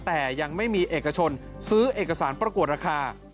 แต่ยังไม่มีเอกชนซื้อเอกสารประกวดราคา